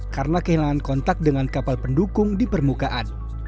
karena kehilangan kontak dengan kapal pendukung di permukaan